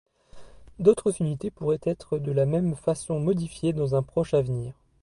D'autres unités pourraient être de la même façon modifiées dans un proche avenir.